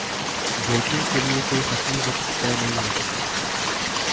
voting کے لیے کوئی حتمی وقت طے نہیں ہو سکا